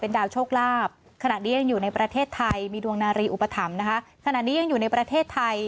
เป็นดาวโชคลาภขนาดนี้ยังอยู่ในประเทศไทย